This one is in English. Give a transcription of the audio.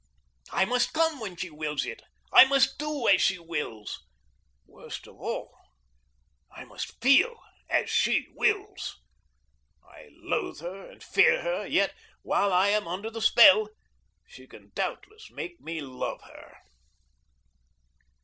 I must come when she wills it. I must do as she wills. Worst of all, I must feel as she wills. I loathe her and fear her, yet, while I am under the spell, she can doubtless make me love her.